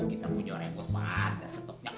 kita punya remote ada setupnya